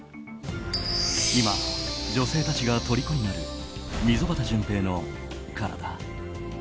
今、女性たちがとりこになる溝端淳平の体。